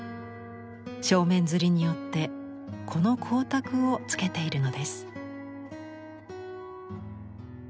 正面摺によってこの光沢をつけているのです。